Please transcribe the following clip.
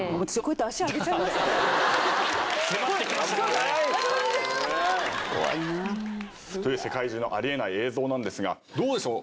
迫ってきましたからね。という世界中のありえない映像なんですがどうでしょう？